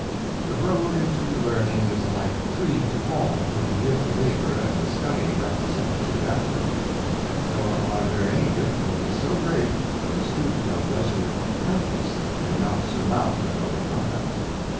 The road into learning is alike free to all who will give the labor and the study requisite to gather it; nor are there any difficulties so great that 298 Well directed Labor, the student of resolute purpose may not surmount and overcome them.